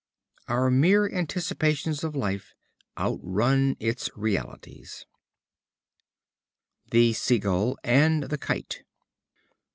Our mere anticipations of life outrun its realities. The Sea gull and the Kite.